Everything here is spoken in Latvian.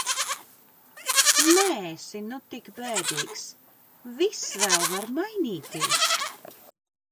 Neesi nu tik bēdīgs, viss vēl var mainīties!